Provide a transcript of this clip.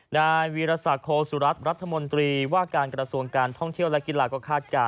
นายวีรศักดิ์โคสุรัตน์รัฐมนตรีว่าการกระทรวงการท่องเที่ยวและกีฬาก็คาดการณ